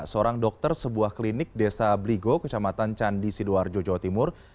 seorang dokter sebuah klinik desa bligo kecamatan candi sidoarjo jawa timur